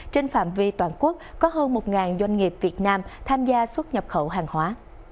trên phạm vi toàn quốc có hơn một doanh nghiệp việt nam tham gia xuất nhập khẩu hàng hóa